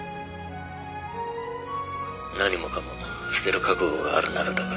☎何もかも捨てる覚悟があるならだが。